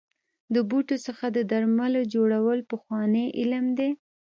د بوټو څخه د درملو جوړول پخوانی علم دی.